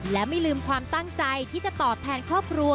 และไม่ลืมความตั้งใจที่จะตอบแทนครอบครัว